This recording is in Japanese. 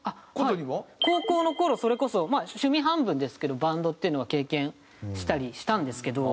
高校の頃それこそまあ趣味半分ですけどバンドっていうのは経験したりしたんですけど。